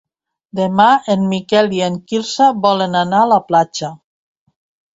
Demà en Miquel i en Quirze volen anar a la platja.